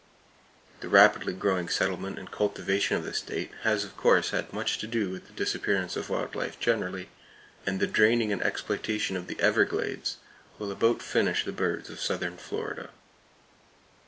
The rapidly growing settlement and cultivation of the state has of course had much to do with the disappearance of wild life generally, and the draining and exploitation of the Everglades will about finish the birds of southern Florida.